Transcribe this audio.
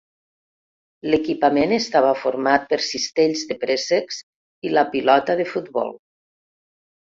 L'equipament estava format per cistells de préssecs i la pilota de futbol.